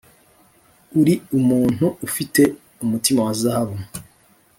uri umuntu ufite umutima wa zahabu